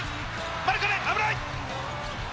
マルカネン、危ない。